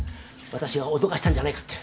私が脅かしたんじゃないかって。